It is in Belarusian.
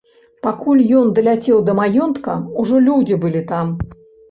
Пакуль ён даляцеў да маёнтка, ужо людзі былі там.